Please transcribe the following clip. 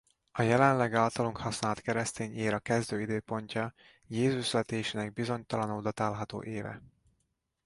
A jelenleg általunk használt keresztény éra kezdő időpontja Jézus születésének bizonytalanul datálható éve.